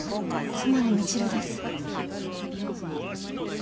妻の未知留です